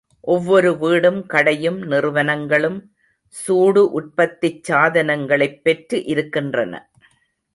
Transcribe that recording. ஒவ்வொரு வீடும் கடையும் நிறுவனங்களும் சூடு உற்பத்திச் சாதனங்களைப் பெற்று இருக்கின்றன.